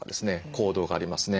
行動がありますね。